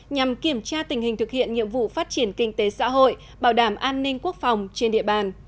nhằm kiểm tra tình hình thực hiện nhiệm vụ phát triển kinh tế xã hội bảo đảm an ninh quốc phòng trên địa bàn